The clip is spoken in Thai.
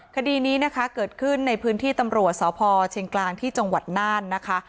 คดีนี้นะคะเกิดขึ้นในพื้นที่ตำรวจสพเชียงกลางที่จังหวัดน่านนะคะ